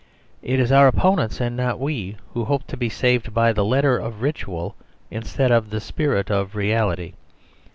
It is our opponents, and not we, who hope to be saved by the letter of ritual, instead of the spirit of reality.